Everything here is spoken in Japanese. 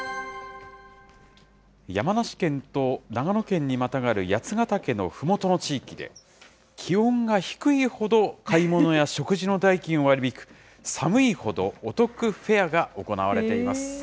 山梨県と長野県にまたがる八ヶ岳のふもとの地域で、気温が低いほど買い物や食事の代金を割り引く、寒いほどお得フェアが行われています。